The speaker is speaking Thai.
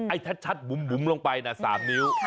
ไอ้ชัดบุ๋มลงไป๓นิ้ว